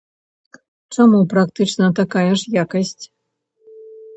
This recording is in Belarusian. Чаму практычна такая ж якасць?